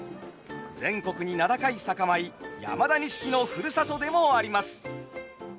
全国に名高い酒米山田錦のふるさとでもあります。